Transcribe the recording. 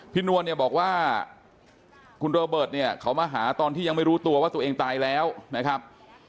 นวลเนี่ยบอกว่าคุณโรเบิร์ตเนี่ยเขามาหาตอนที่ยังไม่รู้ตัวว่าตัวเองตายแล้วนะครับ